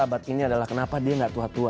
abad ini adalah kenapa dia tidak tua tua